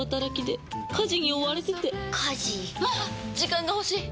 時間が欲しい！